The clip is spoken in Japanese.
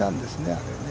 あれね。